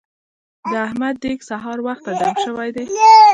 د احمد دېګ سهار وخته دم شوی دی.